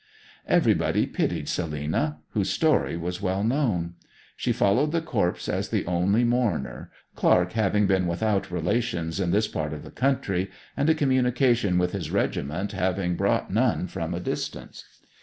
Everybody pitied Selina, whose story was well known. She followed the corpse as the only mourner, Clark having been without relations in this part of the country, and a communication with his regiment having brought none from a distance.